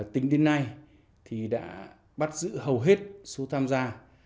tính đến nay thì đã bắt giữ hầu hết số tham gia